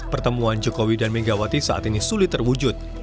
pertemuan jokowi dan megawati saat ini sulit terwujud